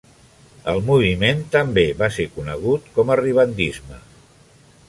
El moviment també va ser conegut com a "ribandisme".